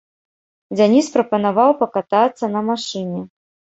Дзяніс прапанаваў пакатацца на машыне.